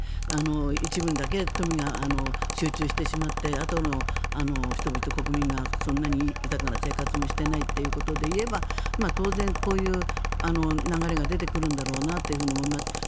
一部にだけ富が集中してしまってあとの人々、国民がそんなに豊かな生活もしていないということでいえば当然こういう流れが出てくるんだろうなと思います。